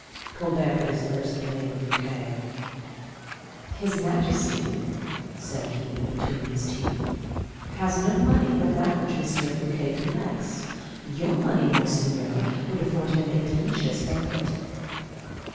Colbert bit his lips at the name of Fouquet. "His majesty," said he, between his teeth, "has no money but that which M. Fouquet collects: your money, monseigneur, would afford him a delicious banquet."